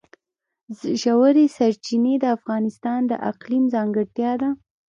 ژورې سرچینې د افغانستان د اقلیم ځانګړتیا ده.